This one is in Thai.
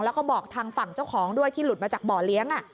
แล้วก็บอกทางฝั่งเจ้าของด้วยที่หลุดมาจากบ่อเลี้ยง